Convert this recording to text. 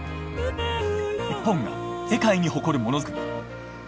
日本が世界に誇るものづくり。